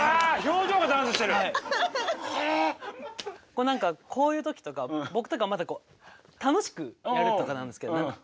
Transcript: こう何かこういうときとか僕とかはまだこう楽しくやるとかなんですけど何か。